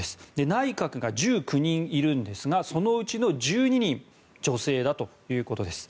内閣が１９人いるんですがそのうちの１２人が女性だということです。